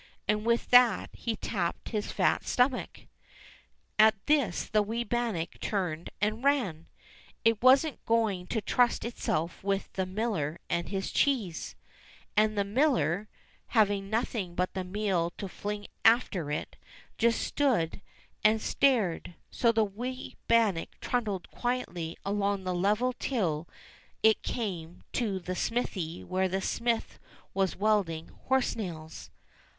And with that he tapped his fat stomach. At this the wee bannock turned and ran ; it wasn't going to trust itself with the miller and his cheese ; and the miller, having nothing but the meal to fling after it, just stood and stared ; so the wee bannock trundled quietly along the level till it came to the smithy where the smith was welding horse nails.